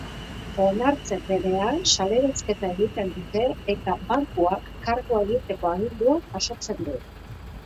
Onartzen denean, salerosketa egiten dute eta bankuak kargua egiteko agindua jasotzen du.